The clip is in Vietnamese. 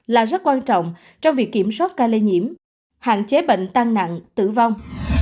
là rất quan trọng trong việc kiểm soát ca lây nhiễm hạn chế bệnh tăng nặng tử vong